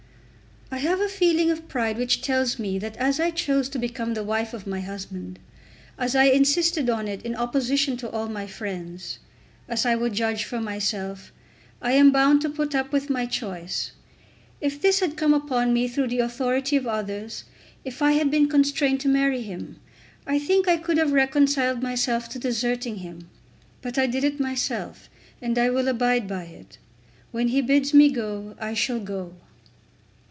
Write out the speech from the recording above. I have a feeling of pride which tells me that as I chose to become the wife of my husband, as I insisted on it in opposition to all my friends, as I would judge for myself, I am bound to put up with my choice. If this had come upon me through the authority of others, if I had been constrained to marry him, I think I could have reconciled myself to deserting him. But I did it myself, and I will abide by it. When he bids me go, I shall go."